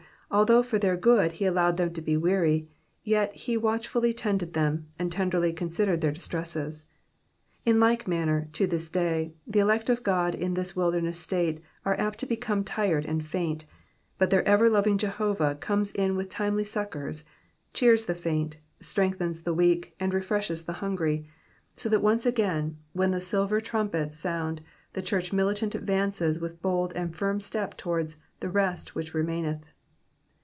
although for their good he allowed them to be weary, yet he watchfully tended them and tenderly considered their distresses. In like manner, to this day, the elect of God in this wilderness state are apt to become tired and faint, but their ever loving Jehovah comes in with timely succours, cheers the faint, strengthens the weak, and refreshes the hungry ; so that once again, when the silver trumpets sound, the church militant advances with bold and firm step towards the rest which reraaineth."